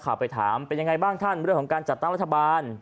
ไปถามเป็นยังไงบ้างท่านเรื่องของการจัดตั้งรัฐบาล